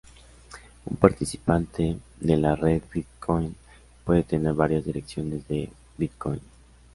Un participante de la red Bitcoin puede tener varias direcciones de Bitcoin.